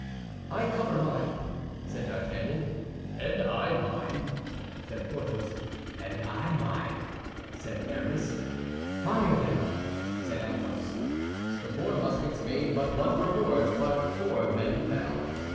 "I cover mine," said D'Artagnan. "And I mine," said Porthos. "And I idem," said Aramis. "Fire, then," said Athos. The four muskets made but one report, but four men fell.